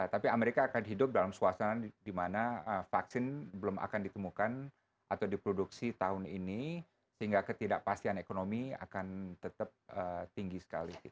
tapi amerika akan hidup dalam suasana di mana vaksin belum akan ditemukan atau diproduksi tahun ini sehingga ketidakpastian ekonomi akan tetap tinggi sekali